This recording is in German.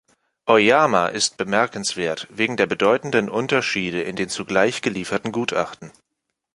„Oyama“ ist bemerkenswert wegen der bedeutenden Unterschiede in den zugleich gelieferten Gutachten.